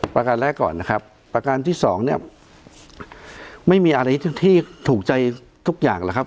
ประการแรกก่อนนะครับประการที่สองเนี่ยไม่มีอะไรที่ถูกใจทุกอย่างแล้วครับ